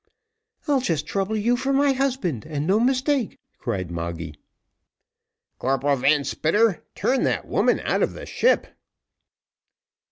"I'll just trouble you for my husband, and no mistake," cried Moggy. "Corporal Van Spitter, turn that woman out of the ship."